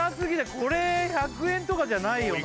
これ１００円とかじゃないよな